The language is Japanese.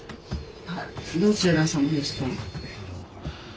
どちら様ですか？